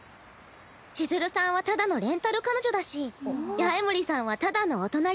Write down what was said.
千鶴さんはただのレンタル彼女だし八重森さんはただのお隣さん。